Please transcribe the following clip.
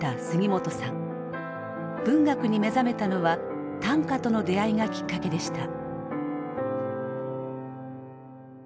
文学に目覚めたのは短歌との出会いがきっかけでした。